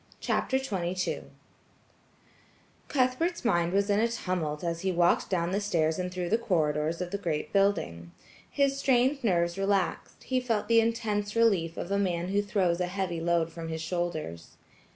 CHAPTER XXII Cuthbert's mind was in a tumult as he walked down the stairs and through the corridors of the great building. His strained nerves relaxed; he felt the intense relief of a man who throws a heavy load from his shoulders.